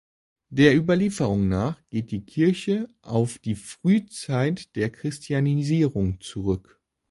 Der Überlieferung nach geht die Kirche auf die Frühzeit der Christianisierung zurück.